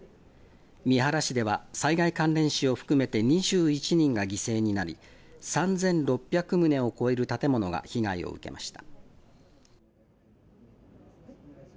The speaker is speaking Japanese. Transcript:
三原市では災害関連死を含めて２１人が犠牲になり３６００棟を超える建物が被害を受けました。